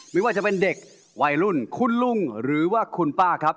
ไม่ว่าจะเป็นเด็กวัยรุ่นคุณลุงหรือว่าคุณป้าครับ